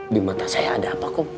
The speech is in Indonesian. di mata saya ada apa kok